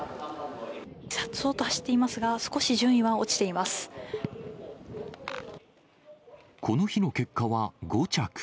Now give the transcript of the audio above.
さっそうと走っていますが、この日の結果は５着。